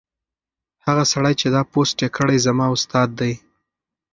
هغه سړی چې دا پوسټ یې کړی زما استاد دی.